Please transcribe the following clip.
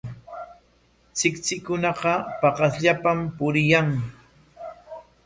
Tsiktsikunaqa paqasllapam puriyan.